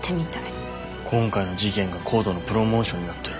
今回の事件がＣＯＤＥのプロモーションになってる。